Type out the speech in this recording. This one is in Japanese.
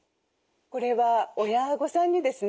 これは親御さんにですね